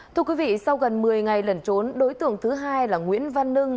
thưa quý vị sau gần một mươi ngày lẩn trốn đối tượng thứ hai là nguyễn văn nưng